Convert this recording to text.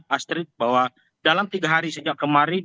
astrid bahwa dalam tiga hari sejak kemarin